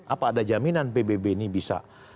apa ada jaminan pbb ini bisa